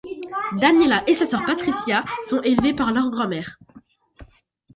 Daniela et sa sœur Patricia sont élevées par leur grand-mère.